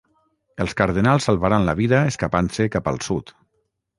Els cardenals salvaran la vida escapant-se cap al sud.